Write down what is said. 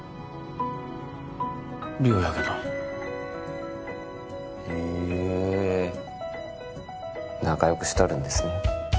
梨央やけどへ仲良くしとるんですね